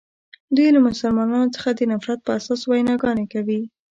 دوی له مسلمانانو څخه د نفرت په اساس ویناګانې کوي.